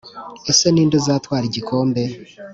Ese ninde uzatwara igikombe?